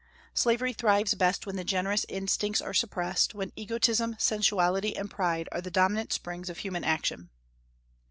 Slavery thrives best when the generous instincts are suppressed, when egotism, sensuality, and pride are the dominant springs of human action.